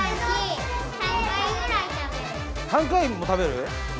３回も食べる？